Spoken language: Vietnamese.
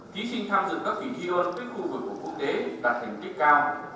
ký sinh tham dự các kỳ thi hôn với khu vực của quốc tế đạt thành tích cao